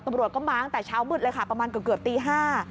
ตำรวจก็มาตั้งแต่เช้ามืดเลยค่ะประมาณเกือบเกือบตีห้า